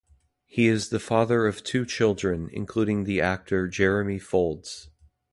He is the father of two children including the actor Jeremy Fowlds.